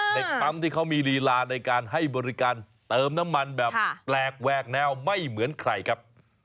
เด็กปั๊มที่เขามีลีลาในการให้บริการเติมน้ำมันแบบแปลกแวกแนวไม่เหมือนใครครับ